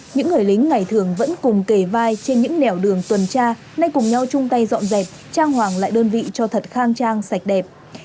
những người lính ngày thường vẫn cùng kề vai trên những nẻo đường tuần tra nay cùng nhau chung tay dọn dẹp trang hoàng lại đơn vị cho thật khang trang sạch đẹp